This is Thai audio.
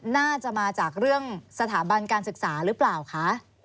น่าจะมาจากเรื่องสถาบันการศึกษาหรือเปล่าคะ